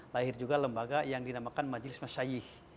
lahir juga lembaga yang dinamakan majelis masyai